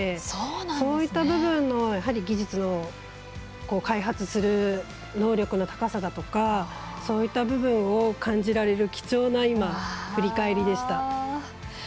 そういった部分の技術の開発する能力の高さだとかそういった部分を感じられる、貴重な今の振り返りでした。